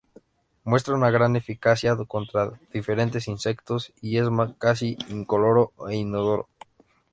Muestra una gran eficacia contra diferentes insectos y es casi incoloro e inodoro.